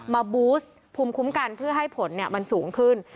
มาบูสต์ภูมิคุ้มกันเพื่อให้ผลเนี่ยมันสูงขึ้น